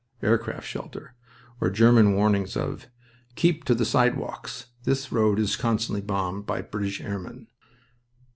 (aircraft shelter) or German warnings of: "Keep to the sidewalks. This road is constantly bombed by British airmen."